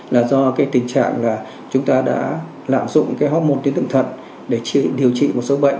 là do tình trạng chúng ta đã lạm dụng hóc một tuyến thượng thận để điều trị một số bệnh